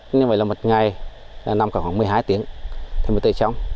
thì mất như vậy là một ngày nằm khoảng một mươi hai tiếng thì mới tưới trong